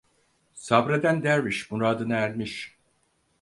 Sabreden derviş muradına ermiş.